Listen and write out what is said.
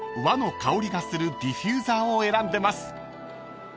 和の香りがするディフューザーを選んでます］